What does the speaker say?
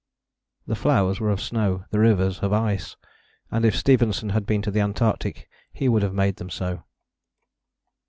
The flowers were of snow, the rivers of ice, and if Stevenson had been to the Antarctic he would have made them so.